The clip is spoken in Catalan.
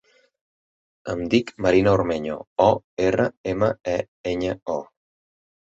Em dic Marina Ormeño: o, erra, ema, e, enya, o.